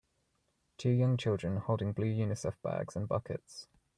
Two young children holding blue Unicef bags and buckets.